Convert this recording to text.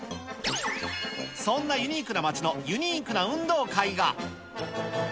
そんなユニークな町のユニークな運動会が。